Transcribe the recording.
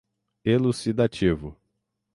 elucidativo